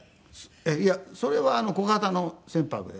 いやそれは小型の船舶で。